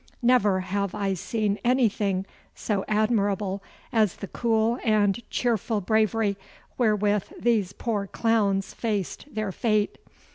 Never have I seen anything so admirable as the cool and cheerful bravery wherewith these poor clowns faced their fate.